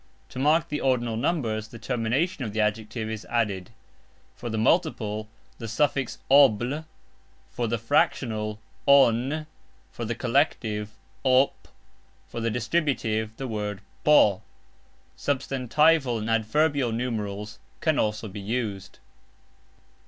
To mark the ordinal numerals the termination of the adjective is added; for the multiple the suffix "obl", for the fractional "on", for the collective "op", for the distributive the word "po". Substantival and adverbial numerals can also be used.